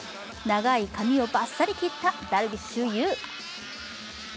長い髪をバッサリ切ったダルビッシュ有。